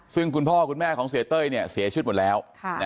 ซึ่งคุณพ่อคุณแม่ของเศรษฐ์เต้ยเนี่ยเสียชุดหมดแล้ว